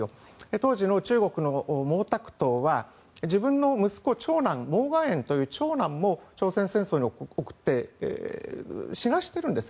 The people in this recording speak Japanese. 当時の中国の毛沢東は自分の息子、長男を朝鮮戦争に送って死なせているんです